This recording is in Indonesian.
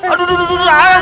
aduh aduh aduh